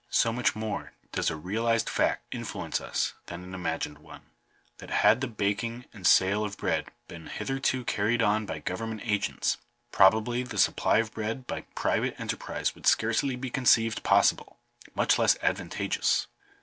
So much more does a realized feet influence us than an imagined one, that had the baking and sale of bread been hitherto carried on by government agents, probably the supply of bread by private enterprise would scarcely be conceived possible, much less advantageous.